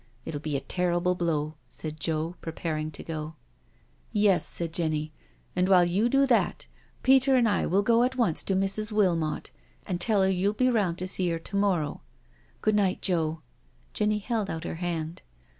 It'll be a terrible blow," said Joe, preparing to go. " Yes," said Jenny, " and while you do that, Peter and I iwill go at once to Mrs. Wilmot and tell her you'll be round to see her to morrow. Good night, Joe." Jenny held out her hand.